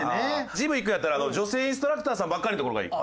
ジム行くんやったら女性インストラクターさんばっかりの所がいい。